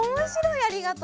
「ありがとう！」。